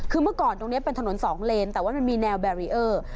คือเมื่อก่อนตรงนี้เป็นถนนสองเลนแต่ว่ามันมีแนวแบรีเออร์